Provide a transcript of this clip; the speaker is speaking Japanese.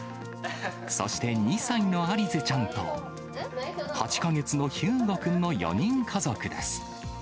そして２歳のありぜちゃんと８か月のひゅうごくんの４人家族です。